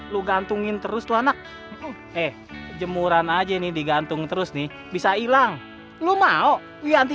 lu gantungin terus tuh anak eh jemuran aja nih digantung terus nih bisa hilang lu mau ya anti